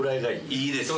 いいです。